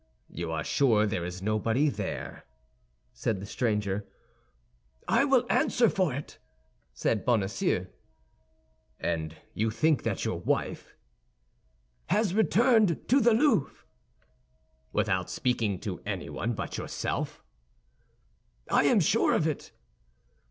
"You are sure there is nobody there?" said the stranger. "I will answer for it," said Bonacieux. "And you think that your wife—" "Has returned to the Louvre." "Without speaking to anyone but yourself?" "I am sure of it."